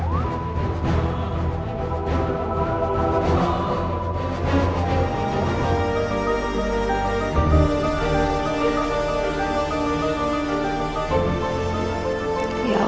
sekarang kau dia corresponds maha